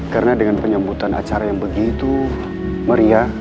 karena dengan penyambutan acara yang begitu meriah